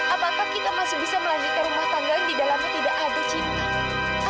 apakah kita masih bisa melanjutkan rumah tangga yang di dalamnya tidak ada cinta